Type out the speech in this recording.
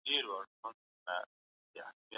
پرمختګ ته د رسېدو لپاره وخت پکار دی.